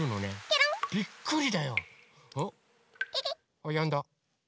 あっやんだ。